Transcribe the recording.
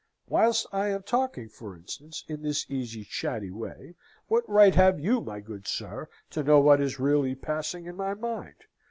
Whilst I am talking, for instance, in this easy, chatty way, what right have you, my good sir, to know what is really passing in my mind?